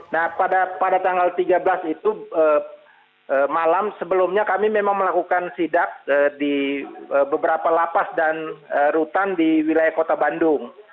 nah pada tanggal tiga belas itu malam sebelumnya kami memang melakukan sidak di beberapa lapas dan rutan di wilayah kota bandung